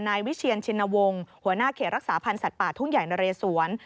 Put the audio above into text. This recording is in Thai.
นายวิเชียนชินวงศ์หัวหน้าเขตรักษาพันธ์สัตว์ป่าทุ่งใหญ่นเรสวน